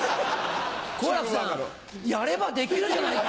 好楽さんやればできるじゃないか！